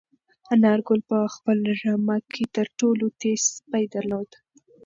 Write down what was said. انارګل په خپله رمه کې تر ټولو تېز سپی درلود.